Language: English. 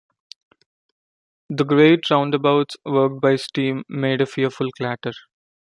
The great roundabouts, worked by steam, made a fearful clatter.